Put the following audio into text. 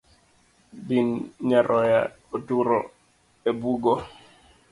Bin nyaroya otur e bugo.